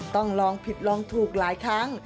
ต้องลองผิดลองถูกหลายครั้ง